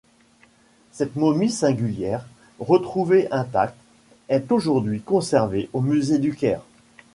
Cette momie singulière, retrouvée intacte, est aujourd'hui conservée au Musée du Caire.